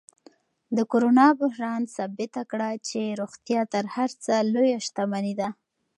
د کرونا بحران ثابت کړه چې روغتیا تر هر څه لویه شتمني ده.